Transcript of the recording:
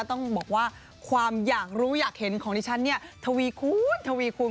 ต้องบอกว่าความอยากรู้อยากเห็นของดิฉันเนี่ยทวีคูณทวีคูณ